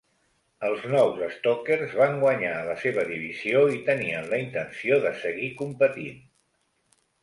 Els nous Stokers van guanyar a la seva divisió i tenien la intenció de seguir competint.